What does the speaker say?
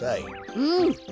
うん。